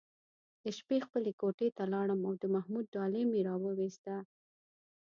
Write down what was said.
د شپې خپلې کوټې ته لاړم او د محمود ډالۍ مې راوویسته.